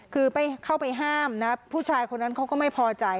คือเข้าไปห้ามนะผู้ชายคนนั้นเขาก็ไม่พอใจ